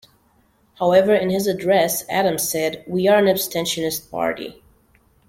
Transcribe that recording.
However, in his address Adams said, We are an abstentionist party.